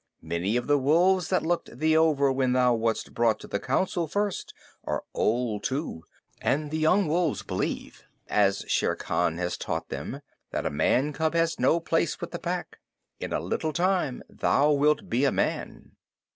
Many of the wolves that looked thee over when thou wast brought to the Council first are old too, and the young wolves believe, as Shere Khan has taught them, that a man cub has no place with the Pack. In a little time thou wilt be a man."